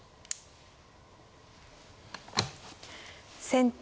先手